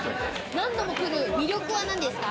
何度も来る魅力は何ですか？